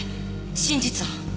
真実を。